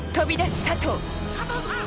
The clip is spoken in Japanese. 佐藤さん！